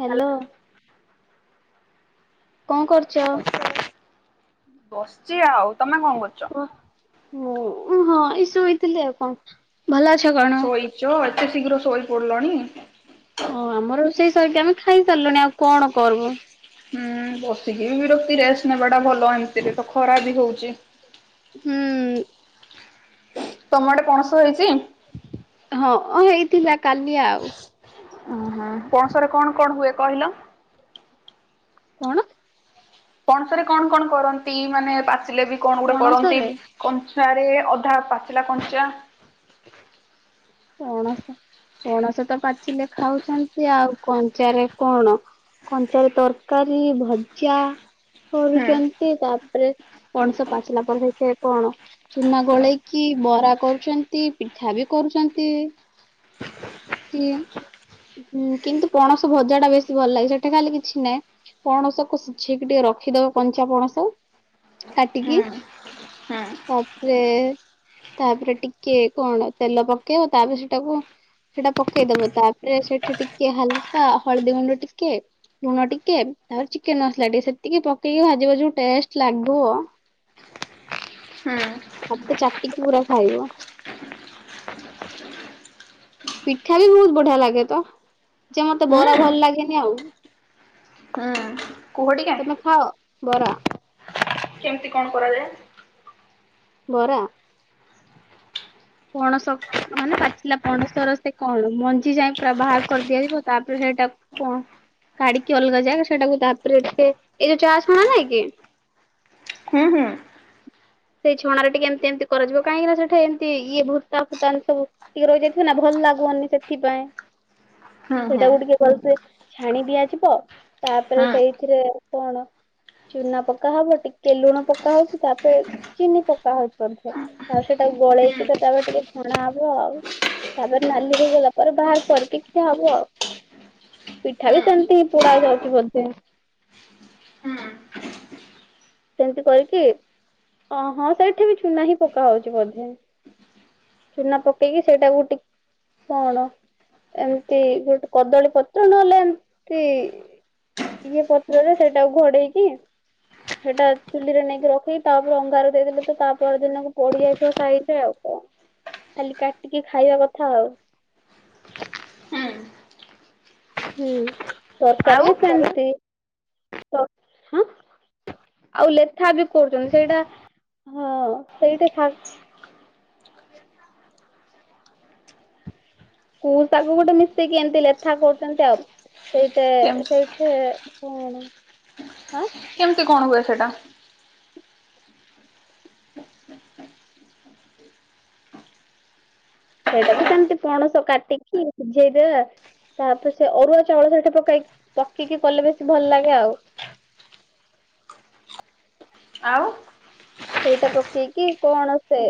Hello. କଣ କରୁଛ? ବସିଚି ଆଉ ତମେ କଣ କରୁଛ? ଓହଁ ଏଇ ଶୋଇଥିଲି ଆଉ କଣ ଭଲ ଅଛ କଣ ଶୋଇଛ ଏତେ ଶୀଘ୍ର ଶୋଇ ପଡିଲଣି। ହଁ ଆମର ରୋଷେଇ ସରିକି ଆମେ ଖାଇସାରିଲୁଣି ଆଉ କଣ କରିବୁ। ହୁଁ ବସିକି ବି ରଖତି ରେଷ୍ଟ ନେବାଟା ଭଲ ଏମିତିରେ ତ ଖରା ବି ହଉଛି। ହୁଁ। ତମ ଆଡ଼େ ପଣସ ହେଇଛି? ହଁ ହେଇଥିଲା କାଲି ଆଉ। ଓ ହୁଁ ପଣସରେ କଣ କଣ ହୁଏ କହିଲ? କଣ? ପଣସରେ କଣ କଣ କରନ୍ତି ମାନେ ପାଚିଲେ ବି କଣ ଗୋଟେ କରନ୍ତି। ପଣସରେ କ [inaudible] ଅଧା ପାଚିଲା କଞ୍ଚା ପଣସ ପଣସ ତ ପାଚିଲେ ଖାଉଛନ୍ତି ଆଉ କଞ୍ଚାରେ କଣ କଞ୍ଚା ତରକାରୀ ଭଜା ହୁଁ କରୁଛନ୍ତି ତାପରେ ପଣସ ପାଚିଲା ପରେ ହେଇ ସେ କଣ ଚୁନା ଗୋଳେଇକି ବରା କରୁଛନ୍ତି ପିଠା ବି କରୁଛନ୍ତି। କି କି ହୁଁ କିନ୍ତୁ ପଣସ ଭଜା ଟା ବେଶୀ ଭଲ ଲାଗେ ସେଠା ଖାଲି କିଛି ନାହିଁ। ପଣସକୁଝେଇକି ଟିକେ ରଖିଦବ କଞ୍ଚା ପଣସ କାଟିକି ହୁଁ। ହୁଁ ତାପରେ ତାପରେ ଟିକେ କଣ ତେଲ ପକ ତାପ ସେଟାକୁ ସେଟା ପକେଇଦବ ତାପରେ ସେଠି ଟିକେ ହାଲୁକା ହଳଦୀ ଗୁଣ୍ଡ ଟିକେ ଲୁଣ ଟିକେ ଆ ଚିକେନ ମସଲା ଟିକେ ସେତିକି ପକେଇକି ଭାଜିବା ଯୋଉ ଟେଷ୍ଟ ଲାଗିବ। ହୁଁ। ହାତ ଚାଟିକି ପୁରା ଖାଇବ। ପିଠା ବି ବହୁତ ବଢିଆ ଲାଗେ ତ ଯେ ମତେ ବରା ହୁଁ ଭଲ ଲାଗେନି ଆଉ। ହୁଁ। କୁହ ଟିକେ ତମେ ଖାଅ ବରା? କେମତି କଣ କରାଯାଏ? ବରା ପଣସ ମାନେ ପାଚିଲା ପଣସ ର ସେ କଣ ମଞ୍ଜି ଯାଇଏ ପୁରା ବାହାର କରିଦିଆଯିବ ତାପରେ ଏଟା କଣ କାଢିକି ଅଲଗା ଜାଗ ସେଟାକୁ ତାପରେ ଏେ ଏଇ ଯୋଉ ଚା ଛଣା ନାଇଁ କି ହୁଁ ହୁଁ। ସେଇ ଛଣ ଟିକେ ଏମତି ଏମତି କରାଯିବ କହିଁକି ନା ସେଟ ଏମତି ଇଏ ଭର୍ତା ଫୁତା ସବୁ ଟିକେ ରହିଯାଇଥିବ ନା ଭଲ ଲାଗୁନି ସେଥିପାଇଁ ହୁଁ ହୁଁ ସେଇଟାକୁ ଟିକେ ଭଲସେ ଛାଣି ଦିଆଯିବ ତାପରେ ହୁଁ ସେଇଥିରେ କଣ ଚୁନା ପକା ହବ ଟିକେ ଲୁଣ ପକା ହଉଛି ତାପ ଚିନି ପକାଅ ଭଲ ସେ ଆଉ ସେଇଟାକୁ ଗୋଳେଇକି ତ ତାପରେ ଟିକେ ଛଣା ହବ ଆଉ। ତାପରେ ନାଲି ହେଇଗଲା ପରେ ବାହାର କରିକି ଖିଆ ହବ। ପିଠା ହୁଁ ବି ସେମିତି ପୋଡା ଯାଉଛି ବୋଧେ। ହୁଁ ହୁଁ ସେମିତି କରିକି ଅ ହଁ ସେଠି ବି ଚୁନା ହିଁ ପକା ହଉଛି ବୋଧେ। ଚୁନା ପକେଇକି ସେଇଟା କୁ ଟି କଣ ଏମିତି ଗୋଟେ କଦଳୀ ପତ୍ର ନହେଲେ ଏମିତି। ଇଏ ପତ୍ରରେ ସେଇଟାକୁ ଘୋଡେଇକି। ସେଟା ଚୁଲିରେ ନେଇକି ରଖିକି ତାପରେ ଅଙ୍ଗାର ଦେଇଦେଲେ ତ ତାପର ଦିନକୁ ପୋଡି ଯାଇଥିବ ସେଇଟା ଆଉ କଣ। ଖାଲି କାଟିକି ଖାଇବା କଥା ଆଉ। ହୁଁ ହୁଁ ଆଉ ତରକାରୀ ବି ସେମିତି ତ ହାଁ। ଆଉ ଲେଥା ବି କରୁଛନ୍ତି ସେଇଟା ହଁ ସେଇଟା ଛା କୁ ତାକୁ ଗୋଟେ ମିଶେଇକି ଏମିତି ଲେଥା କରୁଛନ୍ତି ଆଉ ସେଇଟେ କେମତି ସେଇଠେ। କଣ ହାଁ। କେମିତି କଣ ହୁଏ ସେଟା? ସେଇଟା ବି ସେମିତି ପଣସ କାଟିକି ସିଝେଇଦିଅ। ତାପରେ ସେ ଅରୁଆ ଚାଉଳ ସେଇଟା ପକାଇ ପକେଇକି କଲେ ବେଶୀ ଭଲ ଲାଗେ ଆଉ। [inaudible] ଆଉ। ସେଇଟା ପକେଇକି କଣ ସେ।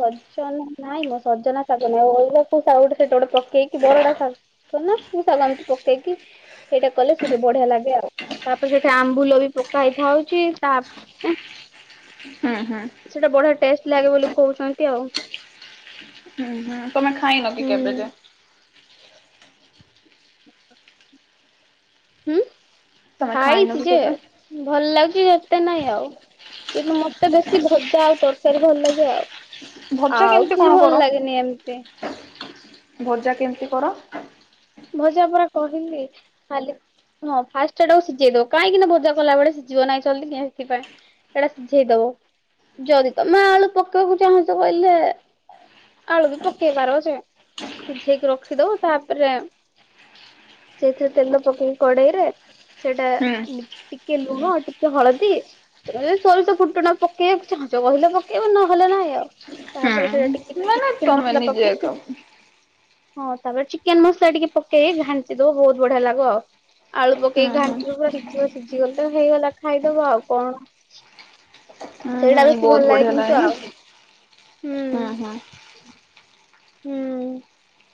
ସଜନା ନାଇଁ ମ ସଜନା ଶାଗ ନାଇଁ ଅ-ଅଲଗା ମାଉ ଶାଗ ଗୋଟେ ସେଟା ଗୋଟେ ପକେଇକି ବରଡା ଶାଗ। ନା କଉ ଶାଗ ଏମିତି ପକେଇକି ସେଇଟା କଲେ ସେଇଟା ବଢିଆ ଲାଗେ ଆଉ। ତାପରେ ସେଠି ଆମ୍ବୁଲ ବି ପକା ହେଇଥାଉଛି ତା ଏଁ। ହୁଁ ହୁଁ ସେଇଟା ବଢିଆ ଟେଷ୍ଟ ଲାଗେ ବୋଲି କହୁଛନ୍ତି ଆଉ। ହୁଁ ହୁଁ ତମେ ଖାଇ ନ କି ହୁଁ କେବେଜ ଯେ। ହୁଁ ତମେ ଖାଇନ ଖାଇଛି କି ଯେ କେବେ? ଭଲ ଲାଗ ଏତେ ନାଇଁ ଆଉ କିନ୍ତୁ ମତେ ବେଶୀ ଭଜା ଆଉ ତରକାରୀ ଭଲ ଲାଗେ ଆଉ। ଭଜା ଆଉ କେମିତି କିଛି କଣ କର? ଭଲ ଲାଗେନି ଏମିତି। ଭଜା କେମିତି କର। ଭଜା ପରା କହିଲି ଖାଲି। ହଁ ଫାର୍ଷ୍ଟ ସେଟାକୁ ସିଝେଇ ଦବ କାହିଁକି ନା ଭଜା କଲା ବେଳେ ସିଝିବ ନାହିଁ ଜଲଦି କେଁ ସେଥିପାଇଁ ସେଇଟା ସିଝେଇ ଦବ। ଯଦି ତମେ ଆଳୁ ପକେଇବାକୁ ଚାହୁଁଛ କହିଲେ। ଆଳୁ ବି ପକେଇ ପାର ଯେ ସିଝେଇକି ରଖିଦବ ତାପରେ। ସେଥିରେ ତେଲ ପକେଇକି କଡେଇରେ ସେଟା ହୁଁ ଇ ଟିକେ ଲୁଣ ଟିକେ ହଳଦୀ। ତମେ ଯଦି ସୋରିଷ ଫୁଟୁଣ ପକେଇବାକୁ ଚାହୁଁଛ କହିଲେ ପକେଇବ ନହେଲେ ନାଇଁ ଆଉ ତାପରେ ସେଇଟା ଟି ନାଇ ତମେ ନିଜେ। [unintelligible] ହଁ ତାପରେ ଚିକେନ ମସଲା ଟିକେ ପକେଇ ଘାଣ୍ଟି ଦବ ବହୁତ ବଢିଆ ଲାଗିବ। ଆଳୁ ହୁଁ ପକେଇକି ହୁଁ ଘାଣ୍ଟିିବ ସିଝିବ ସିଝିଗଲେ ହେଇଗଲା ଖାଇଦବ ଆଉ କଣ। ହୁଁ ସେଇଟା ହୁଁ ବେଶୀ ବହୁତ ଭଲ ଲାଗେ ବଢିଆ କିନ୍ତୁ ନା ଆଉ ହୁଁ। ହୁଁ ହୁଁ ହୁଁ।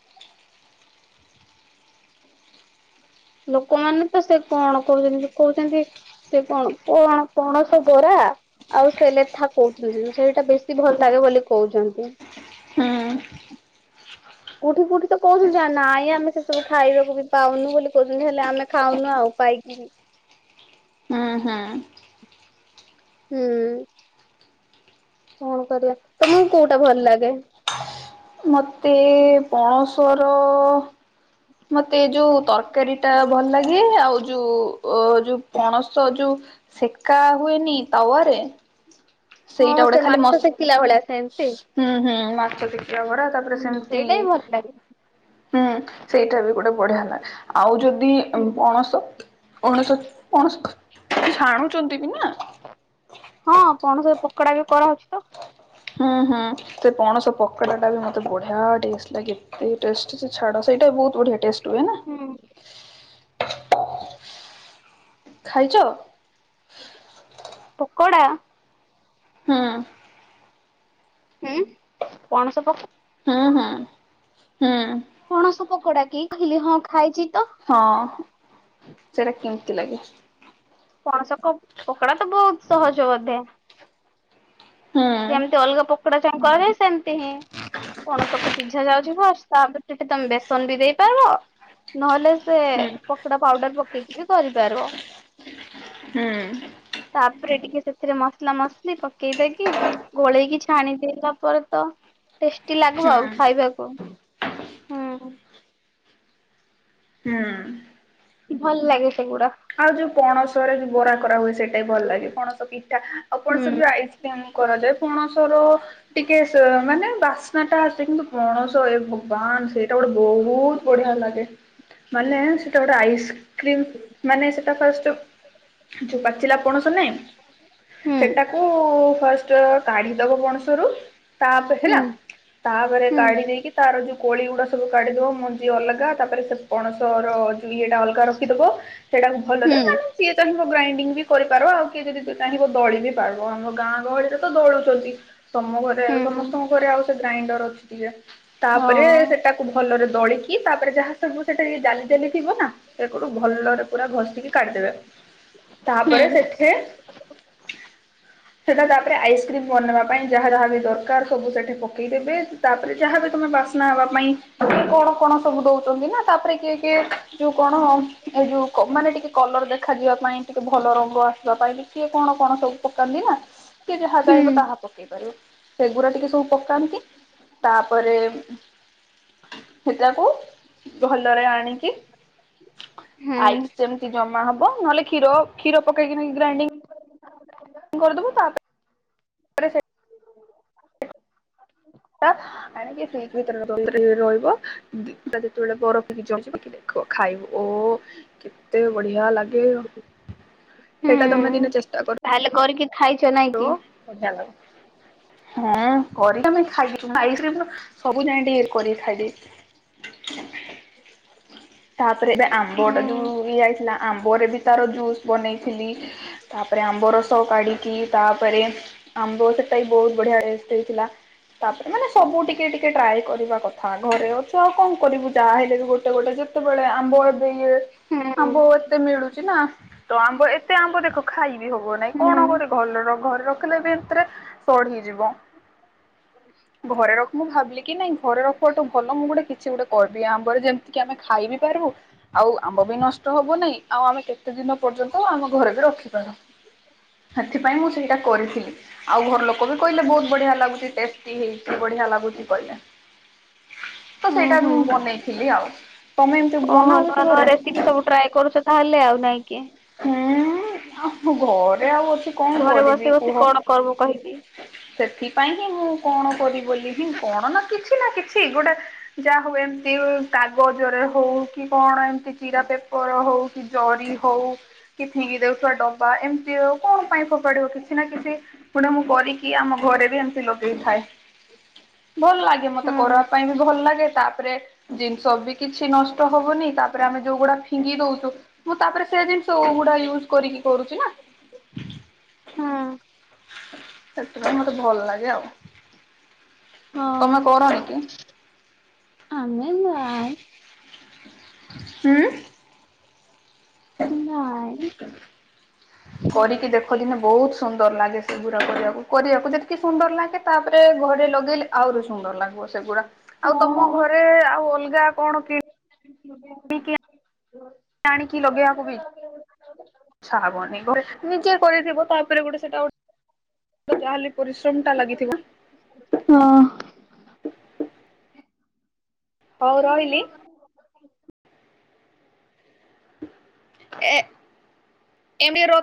ଲୋକମାନେ ତ ସେ କଣ କହୁଛନ୍ତି କହୁଛନ୍ତି ସେ କଣ କଣ ପଣସ ବରା। ଥା ଆଉ ସେ ଲେଥା କହୁଛନ୍ତି ସେଇଟା ବେଶୀ ଭଲ ଲାଗେ ବୋଲି କହୁଛନ୍ତି। ହୁଁ। କଉଠି କଉଠି ତ କହୁଛନ୍ତି ଆ ନାଇଁ ଆମେ ସେ ସବୁ ଖାଇବାକୁ ବି ପାଉନୁ ବୋଲି କହୁଛନ୍ତି ହେଲେ ଆମେ ଖାଉନୁ ଆ ଉ ପାଇକିରି। ହୁଁ ହୁଁ। ହୁଁ କଣ କରିବା ତମକୁ କୋଉଟା ଭଲ ଲାଗେ? ମତେ ପଣସର। ମତେ ଯୋଉ ତରକାରୀ ଟା ଭଲ ଲାଗେ। ଆଉ ଯୋଉ ଅ ଯୋଉ, ପଣସ ଯୋଉ ସେକା ହୁଏନି ତାୱାରେ ସେଇଟା ହଁ ଗୋଟେ ସେ ଖାଲି ମାଛ ମସ୍ ଶେକିଲା ଭଳିଆ ସେମିତି ହୁଁ ହୁଁ ମାଛ ଦେଖିବା ପଡ଼ା, ତାପରେ ହୁଁ ସେମିତି ସେଇଟା ବି ଭଲ ଲାଗେ। ହୁଁ ସେଇଟା ବି ଗୋଟେ ବଢିଆ ଲାଗେ, ଆଉ ଯଦି ପଣସ ଉଣଶଣ ଅଣସ ପଛାଣୁ [unintelligible] ହଁ ପଣସ ପକୋଡା ବି କରାହଉଛି ତ ହୁଁ, ହୁଁ, ସେ ପଣସ ପୋକଡ଼ା ଟା ବି ମତେ ବଢିଆ ଟେଷ୍ଟ ଲାଗେ, ଏତେ ଟେଷ୍ଟ ଯେ ଛାଡ ସେଇ ବହୁତ୍ ବଢିଆ ଟେଷ୍ଟ । ହୁଁ । ଖାଇଛ? ପକୋଡା ହୁଁ। ହୁଁ, ପଣସ ପୋକ ହଁ ହଁ ହୁଁ । ପଣସ ପକୋଡା କି, କହିଲି ହଁ ଖାଇଛି ତ ହଁ, ସେଟା କେମିତି ଲାଗେ? ପଣସ କ ପକଡା ତ ବହୁତ ସହଜ ବୋଧେ ହୁଁ ଯେମିତି ଅଲଗା ପକୋଡା ଚମ [unintelligible] ସେମତି ହିଁ ପଣସକୁୁ ସିଝା ଯାଉଛି ବ ତାପରେ ଟିକେ ତମେ ବେସନ ବି ଦେଇ ପାରିବ, ନହେଲେ ସେ ହୁଁ ପକୋଡା ପାଉଡର ପକେଇକି ବି କରିପାରିବ । ହୁଁ ତାପରେ ଟିକେ ସେ ସେଥିରେ ମସଲା ମସଲି ପକେଇ ଦେଇକି ଗୋଳେଇକି ଛାଣିଦେଲା ପରେ ତ ଟେଷ୍ଟି ଲାଗବ ଆଉ, ହୁଁ ଖାଇବାକୁ, ହୁଁ ହୁଁ । ଭଲ୍ ଲାଗେ । ଆଉ ଯୋଉ ପଣସରେ ଯୋଉ ବରା କରା ହୁଏ, ସେଇଟା ବି ଭଲ ଲାଗେ ପଣସ ପିଠା ଆଉ ପଣସ ହୁଁ ଯୋଉ ଆଇସ୍କ୍ରିମ କରାଯାଏ, ପଣସର ଟିକେ ମାନେ ବାସ୍ନା ଟା ଆସେ କିନ୍ତୁ ପଣସ ଏ ଭଗବାନ ସେଇଟା ଗୋଟେ ବହୁତ ବଢିଆ ଲାଗେ ମାନେ ସେଟା ଗୋଟେ ଆଇସ୍କ୍ରିମ ମାନେ ସେଟା ଫାଷ୍ଟ ଯୋ, ପାଚିଲା ପଣସ ନାଇଁ ହୁଁ ସେଟାକୁ ଫାଷ୍ଟ କାଢିଦବ ପଣସ ରୁ, ତାପରେ ହୁଁ ହେଲା ତାପରେ ହୁଁ କାଢି ଦେଇକି, ତାର ଯୋଉ କୋଳି ଗୁଡା ସବୁ କାଢିଦବ ମଞ୍ଜି ଅଲଗା ତାପରେ ସେ ପଣସ ଯ ଏଟା ଅଲଗା ରଖିଦବ ସେଇଟାକୁ ଭଲରେ ହୁଁ ମାନେ ସିଏ ଚାହିଁବ ଗ୍ରାଇଣ୍ଡିଙ୍ଗ ବି କରିପାର ଆଉ କିଏ ଯଦି ଚାହିଁ ଦଳି ବି ପାରିବ, ଆମ ଗାଁର ରେ ତ ଦଳୁଛନ୍ତି ତ ଘରେ ହୁଁ ସମସ୍ତଙ୍କ ଘରେ ଆଉ ସେ ଗ୍ରାଇଣ୍ଡର ଅଛି ଟିକେ ତାପରେ ହଁ ସେଟାକୁ ଭଲରେ ଦଳିକି ତାପରେ ଯାହା ସବୁ ସେଠା ଡାଲି ଜାଲି ଥିବ ନା [unintelligible] ଭଲରେ ପୁରା ଘଷିକି କାଢ଼ିଦେବେ, ହୁଁ ତାପରେ ସେଠି ସେଟ ପରେ ଆଇସ୍କ୍ରିମ୍ ବନେଇବା ପାଇଁ ଯାହା ଯାହା ବି ଦରକାର ସବୁ ସେଠି ପକେଇଦେବେ, ତାପରେ ଯାହାବ ତମେ ବାସ୍ନା ହେବା ପାଇଁ କି କଣ କଣ ସବୁ ଦଉଛନ୍ତି ନା ତାପରେ କିଏ କିଏ ଯୋଉ କଣ ଏ ଯୋଉ ମାନେ ଟିକେ କଲର ଦେଖାଯିବା ପାଇଁ, ଟିକେ ଭଲ ରଙ୍ଗ ଆସିବା ପାଇଁ, କେ କଣ କଣ ସବୁ ପକାନ୍ତି ନା ହୁଁ କେଜହାଜାାଇ ମୁତାହା [unintelligible] ପକେଇ ପାରିବ, ସେଗୁଡ଼ା ଟିକେ ସବୁ ପକାନ୍ତି, ତାପରେ ସେଟକୁ ଭଲରେ ଆଣିକି ହୁଁ ଆଇସ୍ ଯେମିତି ଜମା ହବ, ନହେଲେ କ୍ଷୀର କ୍ଷୀର ପକେଇକି ଗ୍ରାଇ ଫ [unintelligible] କରିଦବୁ ତାପ ଫ୍ରିଜ ଭିତରେ ରହିବ, ଯେତେବେଳେ ବରଫ [unintelligible] ଜଛି ଟିକ ଦେଖ ଖାଇବ ଓ କେତେ ବଢିଆ ଲାଗେ । ହ [inaudible] ସେଇଟା ତମେ ଦିନେ ଚେଷ୍ଟା କର । ହ ବଢ଼ି [unintelligible] ହ ହଁ କରିମେ ଖାଇଛ ସବୁ ଜାଣି କରିକି ଖାଇଦେ। ହ ତାପରେ ଏବେ ଆମ୍ବ ହୁଁ ଟା ଯୋଉ ଇ ହେଇଥିଲା ଆମ୍ବରେ ବି ତାର ଜୁସ୍ ବନେଇ। ଥିଲି ତାପରେ ଆମ୍ବ ରସ କାଢ଼ିକି। ତାପରେ ଆମ୍ବ ସେଟା ବି ବହୁତ ବଢିଆ ରେଷ୍ଟ ହେଇଥିଲା। ତାପରେ ମାନେ ସବୁ ଟିକେ ଟିକେ ଟ୍ରାଏ କରିବା କଥା ଘରେ ଅଛ ଆଉ କଣ କରିବୁ ଯାହାହଲେବ ଗୋଟେ ଗୋଟେ। କେତେବେଳେ ଆମ୍ବ ହୁଁ ଆମ୍ବ ଏତେ ମିଳୁଛି ନା ତ ଆମ୍ବ ଏତେ। ଖାଇବି ହବ ନାଇଁ ହୁଁ କଣ କର ଘରେ ରଖିଲେ ବି ଏଥିରେ ସଢୀ ଯିବ। ଘରେ ରଖ ମୁଁ ଭାବିଲି କି ନାଇଁ ଘରେ ରଖଠୁ ଭଲ ମୁଁ ଗୋଟେ କିଛି ଗୋଟେ। କରବି ଆମ୍ବରେ ଯେମିତିକି ଆମେ ଖାଇବି ପାରିବୁ ଆଉ ଆମ୍ବ ବି ନଷ୍ଟ ହବ ନାାଇଁ ଆଉ ଆମେ କେତେ ଦିନ ନ୍ତ ଆମ ଘରେ ବି ରଖିପାରୁ। ସେଥିପାଇଁ ମୁଁ ସେଇଟା କରିଥିଲି ଆଉ ଘର ଲୋକ ବି କହିଲେ ବହୁତ ବଢିଆ ଲାଗୁ ଟେଷ୍ଟି ହେଇଛି ବଢିଆ ଲାଗୁଛି। [inaudible] ତ ହୁଁ ସେଇଟା ହୁଁ। ମୁଁ ବନେଇଥିଲି ଆଉ ତମେ ହ ବନାଉଛ ନୂଆ ନୂଆ ଘରେ? ରେସିପି ସବୁ ଟ୍ରାଏ କରୁଛ ତାହେଲେ ଆଉ ନାଇଁ କି। ଉୁଁ ଆ ଘରେ ଆଉ ଅଛି କଣ ଘରେ କରିବି ବସି ବସି କୁହ। କଣ କରିବୁ କହିକି ସେଥିପାଇଁ ହିଁ ମୁଁ କଣ କର ବୋଲି ହିଁ କଣ ନା କିଛି ନା କିଛି ଗୋଟେ ଯାହା ହଉ ଏମତି। କାଗଜରେ ହଉ କି କଣ ଏମତି ଚିରା ପେପର ହଉ କି ଜରି ହଉ କିଛିନ କିି ଦେଉଛଥିବା ଡ ବା ଏମିତି ଆଉ କଣ ପାଇଁ ଫୋପାଡିବ କିଛି ନା କିଛି ଗୁଣ ମୁଁ କରିକି ଆମ ଘରେ ବି ଏମିତି ଲଗେଇ ଥାଏ। ହ ଭଲ ଲାଗେ ମତେ କରିବା ପାଇଁ ବି ଭଲ ଲାଗେ। ତାପରେ ଜିନିଷ ବି କିଛି ନଷ୍ଟ ହବନି ତାପରେ ଆମେ ଯୋଉଗୁଡା ଫିଙ୍ଗି ଦଉଛୁ। ମୁଁ ତାପରେ ସେ ଜିନିଷ ଉୁଡା ୟୁଜ କରିକି କରୁଛି ନା। ହଁ। ସେ ମତେ ଭଲ ଲାଗେ ଆଉ। ହଁ ତମେ କରନି କି? ଆମେ। [inaudible] ହୁଁ। ନାଇଁ। ହଁ କରିକି ଦେଖଲି ନା ବହୁତ ସୁନ୍ଦର ଲାଗେ ସେଗୁଡା କରିବାକୁ କରିବାକୁ ଯେତିକି ସୁନ୍ଦର ଲାଗେ ତାପରେ ଘରେ। ଲଗେଇଲେ ଆହୁରି ସୁନ୍ଦର ଲାଗିବ ସେଗୁଡା ହଁ ଆଉ ତମ ଘରେ ଆଉ ଅଲଗା କଣ କିଣ। ଆଣିକି ଲଗେଇବାକୁ ବି ଛାବନି ଘରେ ନିଜେ କରିଥିବ ତାପରେ ଗୋଟେ ସେଟା। ତାହଲେ ପରିଶ୍ରମଟା ଲାଗିଥିବ। ହଁ। ହଉ ରହିଲି। ଏ। [inaudible]